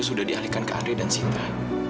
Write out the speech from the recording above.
sudah dialihkan ke andri dan sinta